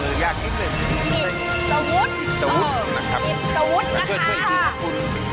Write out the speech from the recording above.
ฮอล์คลานตรวมนี้สาม